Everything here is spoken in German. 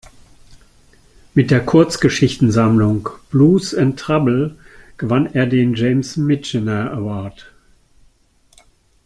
Mit der Kurzgeschichtensammlung "Blues and Trouble" gewann der den "James Michener Award".